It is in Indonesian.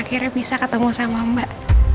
akhirnya bisa ketemu sama mbak